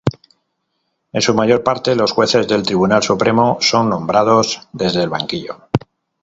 En su mayor parte, los jueces del Tribunal Supremo son nombrados desde el banquillo.